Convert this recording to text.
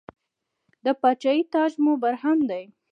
د پاچاهۍ تاج مو برهم دی.